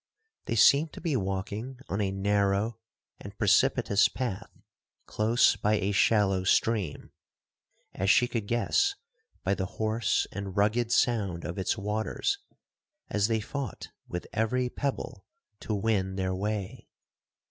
They seemed to be walking on a narrow and precipitous path close by a shallow stream, as she could guess, by the hoarse and rugged sound of its waters, as they fought with every pebble to win their way.